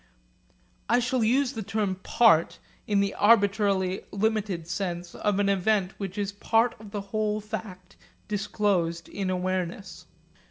I shall use the term 'part' in the arbitrarily limited sense of an event which is part of the whole fact disclosed in awareness.